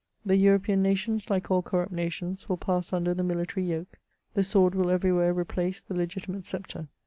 The European nations, like all corrupt nations, will pass under the military yoke : the sword will everywhere replace tlie legitimate sceptre.